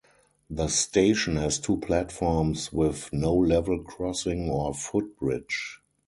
The station has two platforms with no level crossing or footbridge.